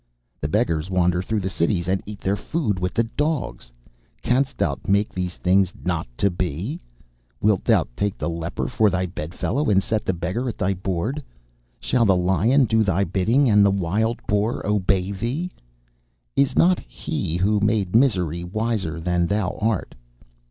The beggars wander through the cities, and eat their food with the dogs. Canst thou make these things not to be? Wilt thou take the leper for thy bedfellow, and set the beggar at thy board? Shall the lion do thy bidding, and the wild boar obey thee? Is not He who made misery wiser than thou art?